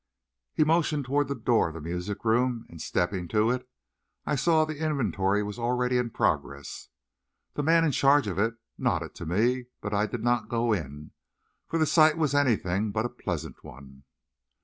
He motioned toward the door of the music room, and, stepping to it, I saw that the inventory was already in progress. The man in charge of it nodded to me, but I did not go in, for the sight was anything but a pleasant one.